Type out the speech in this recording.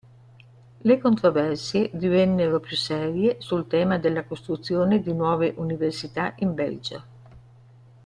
Le controversie divennero più serie sul tema della costruzione di nuove università in Belgio.